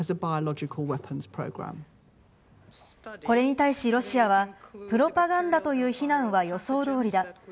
これに対しロシアは、プロパガンダという非難は予想どおりだ。